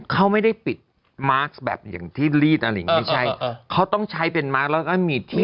เขาไม่ได้ปิดมาร์คแบบที่ลีดอะไรอย่างนี้